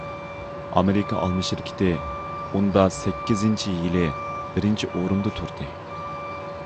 ئامېرىكا ئالما شىركىتى ئۇندا سەككىزىنچى يىلى بىرىنچى ئورۇندا تۇردى.